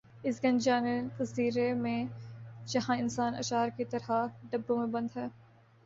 اس گنجان جزیر ے میں جہاں انسان اچار کی طرح ڈبوں میں بند ہے